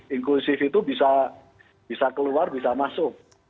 inklusif itu bisa keluar bisa masuk